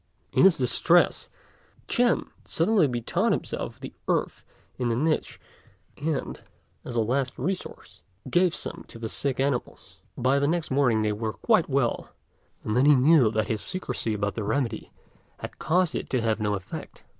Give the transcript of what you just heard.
In his distress, Ch'ên suddenly bethought himself of the earth in the niche; and, as a last resource, gave some to the sick animals. By the next morning they were quite well, and then he knew that his secrecy about the remedy had caused it to have no effect.